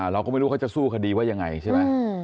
เราก็ไม่รู้เขาจะสู้คดีว่ายังไงใช่ไหม